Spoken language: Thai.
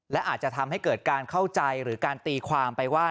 และอาจจะทำให้เกิดการเข้าใจหรือการตีความไปว่า